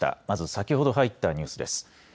まず先ほど入ったニュースです。